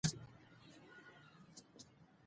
او دخلکو له وضعيت، دود، فرهنګ اداب څخه ځان خبروي.